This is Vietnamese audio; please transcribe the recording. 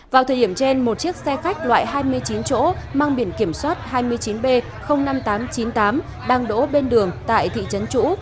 vào thời điểm trên một chiếc xe khách loại hai mươi chín chỗ mang biển kiểm soát hai mươi chín b năm nghìn tám trăm chín mươi tám đang đỗ bên đường tại thị trấn chủ